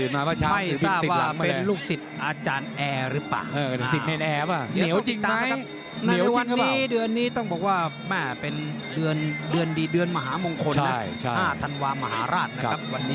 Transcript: ไม่รู้เป็นลูกศิษย์อาจารย์แอร์หรือเปล่า